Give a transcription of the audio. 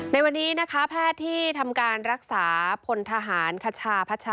ในวันนี้นะคะแพทย์ที่ทำการรักษาพลทหารคชาพัชชา